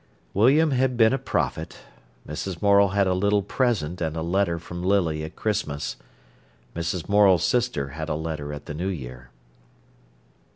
William had been a prophet. Mrs. Morel had a little present and a letter from Lily at Christmas. Mrs. Morel's sister had a letter at the New Year.